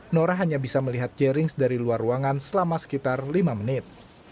nora hanya bisa melihat jerings dari luar ruangan selama sekitar lima menit